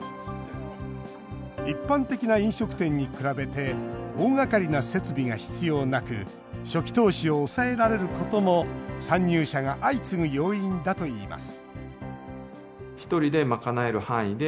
一般的な飲食店に比べて大がかりな設備が必要なく初期投資を抑えられることも参入者が相次ぐ要因だといいます